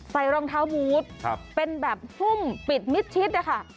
ใส่รองเท้ามูดเป็นแบบหุ้มปิดมิดทิศค่ะ